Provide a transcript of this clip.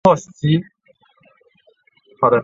朗科尼。